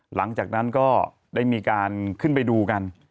หลังจากนั้นก็ได้มีการขึ้นไปดูกัน